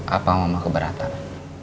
apa mama keberatan